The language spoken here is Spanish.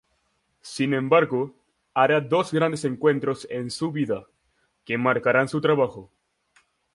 Sin embargo, hará dos grandes encuentros en su vida, que marcarán su trabajo.